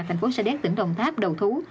thành phố sa đéc tỉnh đồng tháp đầu thú